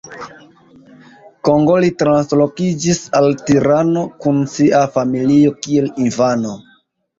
Kongoli translokiĝis al Tirano kun sia familio kiel infano.